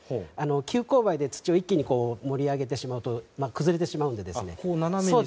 急こう配で土を一気に盛り上げてしまうと崩れてしまうので。